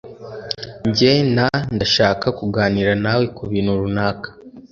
Jye na ndashaka kuganira nawe kubintu runaka.